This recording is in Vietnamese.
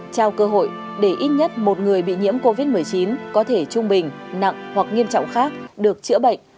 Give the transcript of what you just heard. trao cơ hội để ít nhất một người bị nhiễm covid một mươi chín có thể trung bình nặng hoặc nghiêm trọng khác được chữa bệnh